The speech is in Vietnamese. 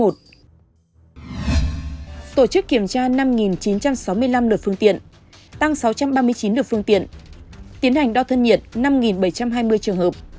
tổ chức kiểm tra năm chín trăm sáu mươi năm lượt phương tiện tăng sáu trăm ba mươi chín đợt phương tiện tiến hành đo thân nhiệt năm bảy trăm hai mươi trường hợp